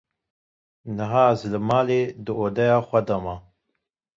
Niha, Ez li malê di odeya xwe de me.